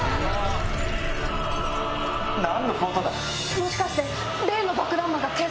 もしかして。